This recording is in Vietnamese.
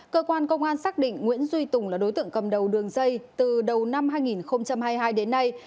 cơ quan công an xác định nguyễn duy tùng là đối tượng cầm đầu đường dây từ đầu năm hai nghìn hai mươi hai đến nay